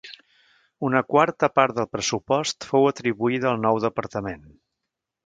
Una quarta part del pressupost fou atribuïda al nou departament.